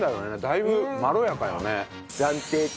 だいぶまろやかよね。